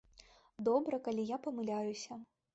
Добра, калі я памыляюся.